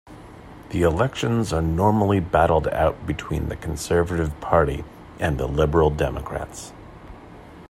The elections are normally battled out between the Conservative Party and the Liberal Democrats.